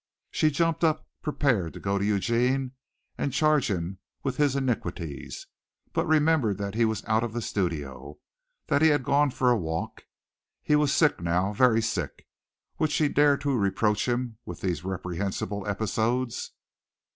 She jumped up prepared to go to Eugene and charge him with his iniquities, but remembered that he was out of the studio that he had gone for a walk. He was sick now, very sick. Would she dare to reproach him with these reprehensible episodes?